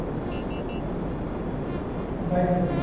大雪原。